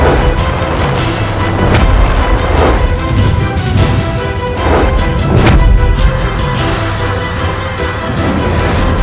aku akan menang